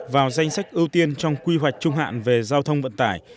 vào danh sách ưu tiên trong quy hoạch trung hạn về giao thông vận tải